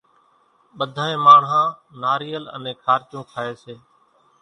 ٻڌانئين ماڻۿان ناريل انين خارچون کائي سي